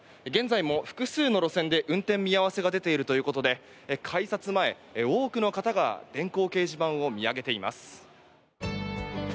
現在も複数の路線で運転見合わせが出ているという事で改札前多くの方が電光掲示板を見上げています。